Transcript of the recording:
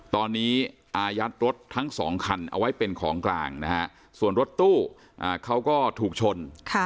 ตอนนี้อายัดรถทั้งสองคันเอาไว้เป็นของกลางนะฮะส่วนรถตู้เขาก็ถูกชน